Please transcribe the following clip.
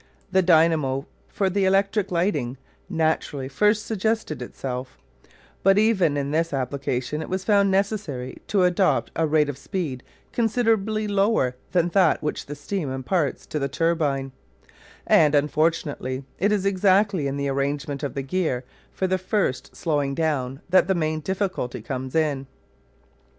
The dynamo for electric lighting naturally first suggested itself; but even in this application it was found necessary to adopt a rate of speed considerably lower than that which the steam imparts to the turbine; and, unfortunately, it is exactly in the arrangement of the gear for the first slowing down that the main difficulty comes in.